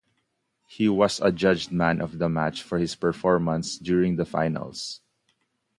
He was adjudged man of the match for his performance during the finals.